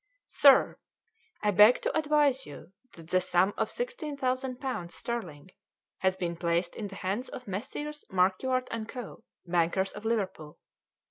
"SIR, I beg to advise you that the sum of sixteen thousand pounds sterling has been placed in the hands of Messrs. Marcuart and Co., bankers, of Liverpool.